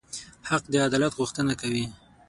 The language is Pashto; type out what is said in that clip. حق د عدالت غوښتنه کوي.